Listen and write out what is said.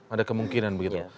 ada kemungkinan begitu